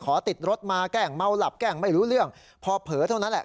ติดรถมาแกล้งเมาหลับแกล้งไม่รู้เรื่องพอเผลอเท่านั้นแหละ